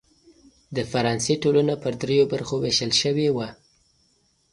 د فرانسې ټولنه پر دریوو برخو وېشل شوې وه.